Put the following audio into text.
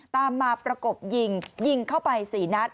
ตามมาประกบยิงยิงเข้าไป๔นัด